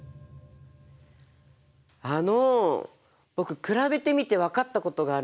あの僕比べてみて分かったことがあるんですよ。